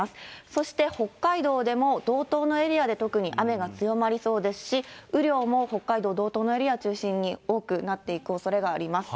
そして北海道でも道東のエリアで特に雨が強まりそうですし、雨量も北海道道東のエリアを中心に、多くなっていくおそれがあります。